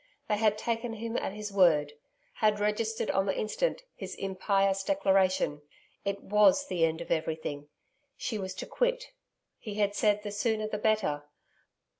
They had taken him at his word had registered on the instant his impious declaration. It WAS the end of everything. She was to quit.... He had said, the sooner the better....